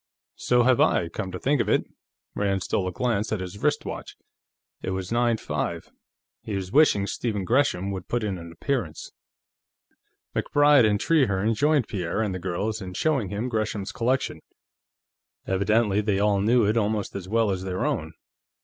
"So have I, come to think of it." Rand stole a glance at his wrist watch. It was nine five; he was wishing Stephen Gresham would put in an appearance. MacBride and Trehearne joined Pierre and the girls in showing him Gresham's collection; evidently they all knew it almost as well as their own.